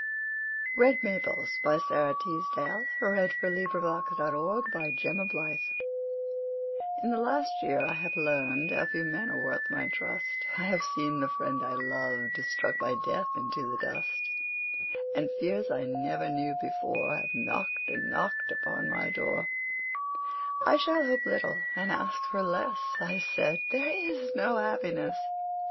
rom the peace of those Who are not lonely, having died. Red Maples In the last year I have learned How few men are worth my trust; I have seen the friend I loved Struck by death into the dust, And fears I never knew before Have knocked and knocked upon my door "I shall hope little and ask for less," I said, "There is no happiness."